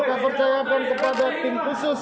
kita percayakan kepada tim khusus